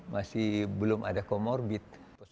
masih belum ada komorbit